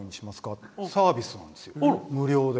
ってサービスなんですよ、無料で。